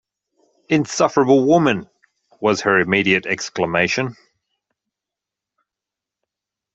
“Insufferable woman!” was her immediate exclamation.